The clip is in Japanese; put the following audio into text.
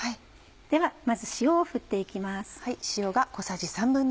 ではまず塩を振って行きます。